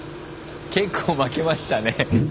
結構負けましたね。